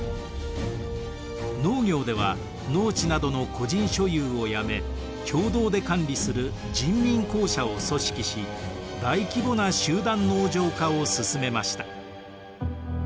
農業では農地などの個人所有をやめ共同で管理する人民公社を組織し大規模な集団農場化を進めました。